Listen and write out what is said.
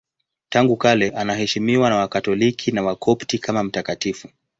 Tangu kale anaheshimiwa na Wakatoliki na Wakopti kama mtakatifu.